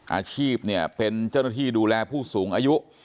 อาชีพเนี่ยเป็นเจ้าหน้าที่ดูแลผู้สูงอายุ